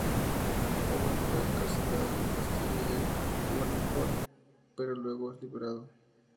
Owen fue encarcelado en el castillo de Wallingford, pero luego es liberado.